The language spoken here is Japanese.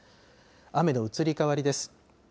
雨の移り変わりです。